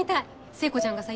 聖子ちゃんがさ